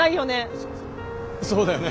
そそうだよね。